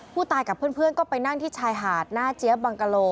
กับเพื่อนก็ไปนั่งที่ชายหาดหน้าเจี๊ยบบังกะโล